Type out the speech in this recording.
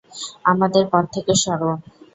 আমাদের পথ থেকে সরো!